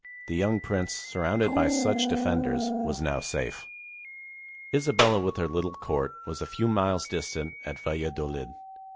The young prince, surrounded by such de fenders, was now safe. Isabella, with her little court, was a few miles distant, at Valladolid.